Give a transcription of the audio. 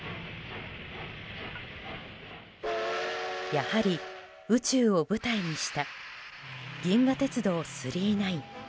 やはり宇宙を舞台にした「銀河鉄道９９９」。